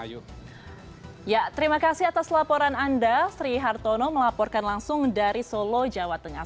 ya terima kasih atas laporan anda sri hartono melaporkan langsung dari solo jawa tengah